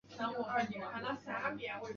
用于有机合成。